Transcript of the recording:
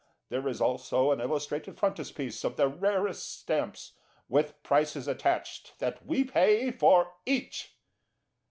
There is also an Illustrated Frontispiece of the Rarest Stamps, with prices attached that we pay for each.